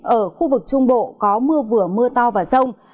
ở khu vực trung bộ có mưa vừa mưa to và rông